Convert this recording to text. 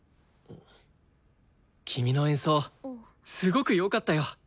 君の演奏すごくよかったよ。